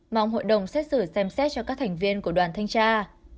mong hội đồng xét xử xem xét cho các thành viên của đoàn thanh tra